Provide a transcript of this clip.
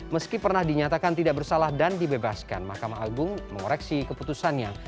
meski pernah dinyatakan tidak bersalah dan dibebaskan mahkamah agung mengoreksi keputusannya